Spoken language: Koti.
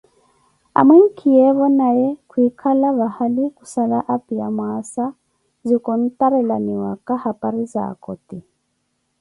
Amwinkiyeevo naye kwikala valaavi khusala opiiwa mwassa zikhontarelaniwaka hapari za koti.